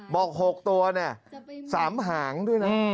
บอก๖ตัวเนี่ย๓หางด้วยนะ